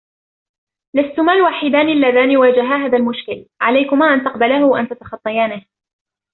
لستما الوحيدان الذان واجها هذا المشكل ، عليكما أن تقبلاه و أن تتخطيانه.